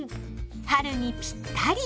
春にぴったり。